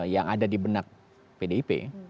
yang ada di benak pdip